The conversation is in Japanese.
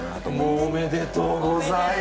もう、おめでとうございます。